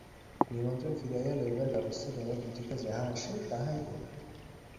নিমন্ত্রণ ফিরাইয়া লইবার ব্যবস্থা তোমার বুদ্ধিতে যাহা আসে, তাহাই হোক।